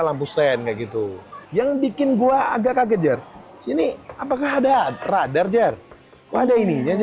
lampu stand kayak gitu yang bikin gua agak kaget jer sini apakah ada radar jer kok ada ini